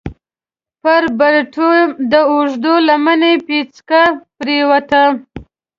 پر بټوه د اوږدې لمنې پيڅکه پرېوته.